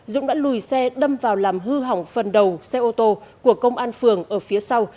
dũng đã lùi xe đâm vào làm hư hỏng phần đầu xe ô tô của công an phường ở phía sau